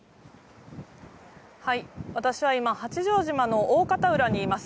はい、私は今八丈島の大潟裏にいます。